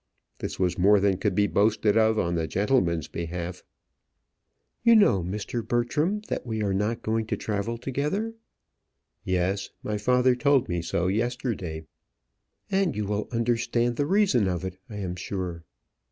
This was more than could be boasted of on the gentleman's behalf. "You know, Mr. Bertram, that we are not going to travel together?" "Yes; my father told me so yesterday." "And you will understand the reason of it, I am sure?"